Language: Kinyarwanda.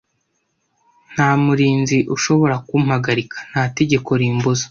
Nta murinzi ushobora kumpagarika ; nta tegeko rimbuza .